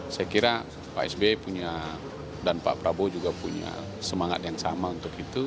saya kira pak sby punya dan pak prabowo juga punya semangat yang sama untuk itu